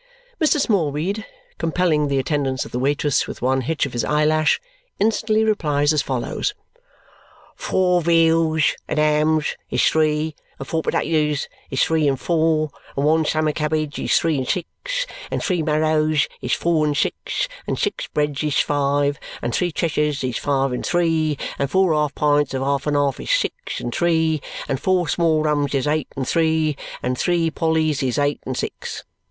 Mr. Smallweed, compelling the attendance of the waitress with one hitch of his eyelash, instantly replies as follows: "Four veals and hams is three, and four potatoes is three and four, and one summer cabbage is three and six, and three marrows is four and six, and six breads is five, and three Cheshires is five and three, and four half pints of half and half is six and three, and four small rums is eight and three, and three Pollys is eight and six.